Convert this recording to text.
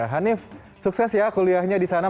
hanif sukses ya kuliahnya di sana